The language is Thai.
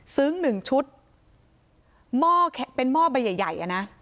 ซึ้งหนึ่งชุดม่อแค่เป็นหม้อใบใหญ่ใหญ่อ่ะน่ะ